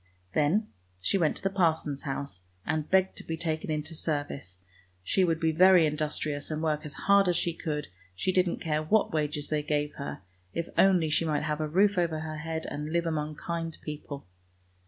Then she went to the parson's house, and begged to be taken into service, she would be very industrious and work as hard as she could, she didn't care what wages they gave her, if only she might have a roof over her head and live among kind people.